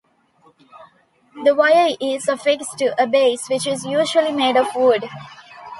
The wire is affixed to a base which is usually made of wood.